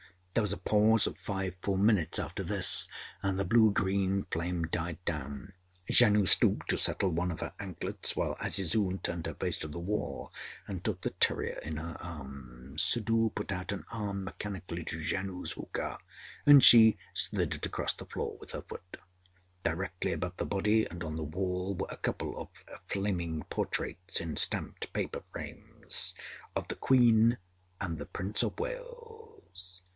There was a pause of five full minutes after this, and the blue green flame died down. Janoo stooped to settle one of her anklets, while Azizun turned her face to the wall and took the terrier in her arms. Suddhoo put out an arm mechanically to Janoo's huqa, and she slid it across the floor with her foot. Directly above the body and on the wall, were a couple of flaming portraits, in stamped paper frames, of the Queen and the Prince of Wales.